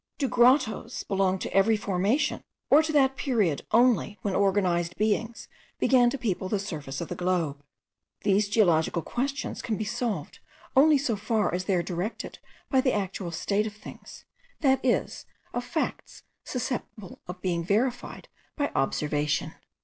Do grottoes belong to every formation, or to that period only when organized beings began to people the surface of the globe? These geological questions can be solved only so far as they are directed by the actual state of things, that is, of facts susceptible of being verified by observation.